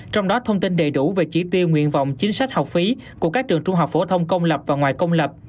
trong đó thông tin đầy đủ về chỉ tiêu nguyện vọng chính sách học phí của các trường trung học phổ thông công lập và ngoài công lập